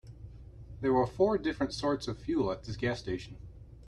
There are four different sorts of fuel at this gas station.